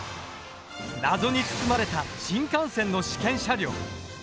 謎に包まれた新幹線の試験車両。